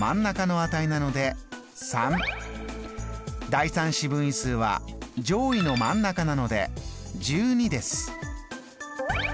第３四分位数は上位の真ん中なので１２です。